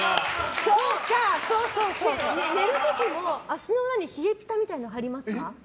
寝る時も、足の裏に冷えピタみたいなの貼りますか？